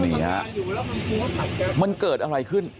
นี่ฮะมันเกิดอะไรขึ้น